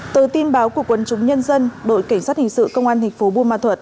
từ tin báo của quân chúng nhân dân đội cảnh sát hình sự công an thành phố buôn ma thuật